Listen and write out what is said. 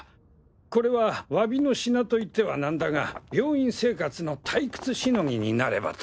これは詫びの品と言っては何だが病院生活の退屈しのぎになればと。